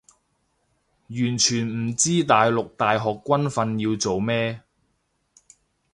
完全唔知大陸大學軍訓要做咩